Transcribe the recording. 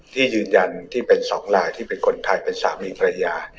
ที่ยืนยันที่เป็นสองลายที่เป็นคนไทยเป็นสามีภรรยา